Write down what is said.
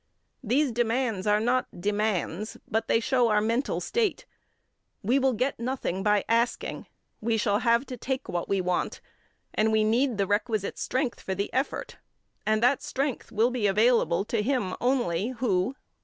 These demands are not demands, but they show our mental state. We will get nothing by asking; we shall have to take what we want, and we need the requisite strength for the effort and that strength will be available to him only who 1.